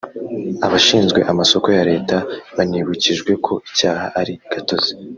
Abashinzwe amasoko ya Leta banibukijwe ko icyaha ari gatozi